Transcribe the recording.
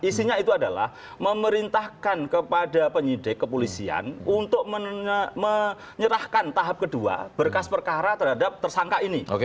isinya itu adalah memerintahkan kepada penyidik kepolisian untuk menyerahkan tahap kedua berkas perkara terhadap tersangka ini